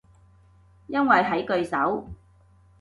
因為喺句首